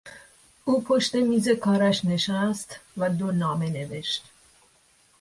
او پشت میز کارش نشست و دو نامه نوشت.